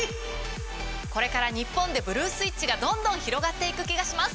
これから日本でブルー・スイッチがどんどん広がっていく気がします